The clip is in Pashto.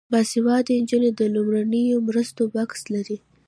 باسواده نجونې د لومړنیو مرستو بکس لري.